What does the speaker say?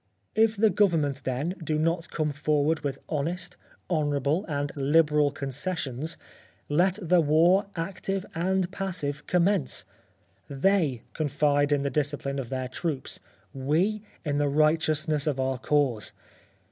" If the government, then, do not come for ward with honest, honourable and liberal con cessions, let the war active and passive com mence. They confide in the discipline of their troops — we in the righteousness of our cause.